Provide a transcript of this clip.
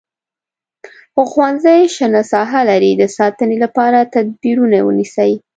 که ښوونځی شنه ساحه لري د ساتنې لپاره تدبیرونه ونیسئ.